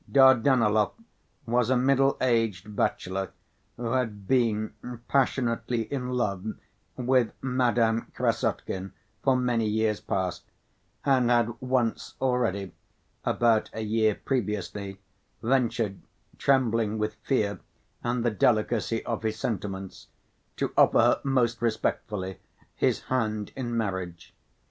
Dardanelov was a middle‐aged bachelor, who had been passionately in love with Madame Krassotkin for many years past, and had once already, about a year previously, ventured, trembling with fear and the delicacy of his sentiments, to offer her most respectfully his hand in marriage.